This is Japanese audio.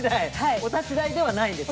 お立ち台ではないんですよ。